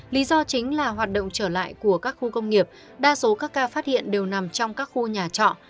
lý do chính là hoạt động trở lại của các khu công nghiệp đa số các ca phát hiện đều nằm trong các khu nhà trọ